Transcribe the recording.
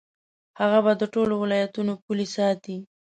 هغه به د ټولو ولایاتو پولې ساتي.